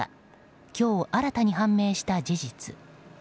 今日、新たに判明した事実。